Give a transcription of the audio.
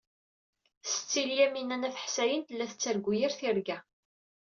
Setti Lyamina n At Ḥsayen tella tettargu yir tirga.